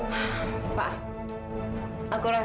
melupakan itu ya aja